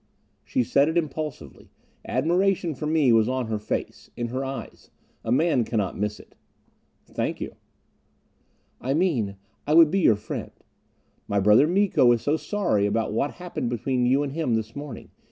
She said it impulsively. Admiration for me was on her face, in her eyes a man cannot miss it. "Thank you." "I mean, I would be your friend. My brother Miko is so sorry about what happened between you and him this morning.